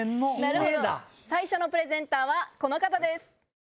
最初のプレゼンターはこの方です。